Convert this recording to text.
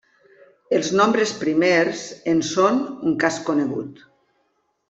Els nombres primers en són un cas conegut.